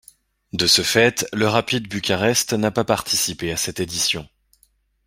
De ce fait, le Rapid Bucarest n'a pas participé à cette édition.